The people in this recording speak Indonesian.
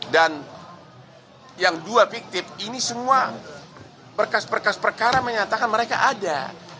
dan yang dua fiktif ini semua berkas berkas perkara menyatakan mereka ada